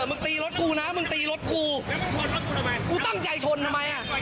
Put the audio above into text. เออกูไม่ซ่อม